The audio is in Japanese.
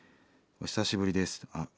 お久しぶりです。